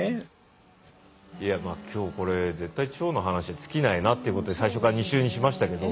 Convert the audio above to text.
いやまあ今日これ絶対腸の話は尽きないなということで最初から２週にしましたけど。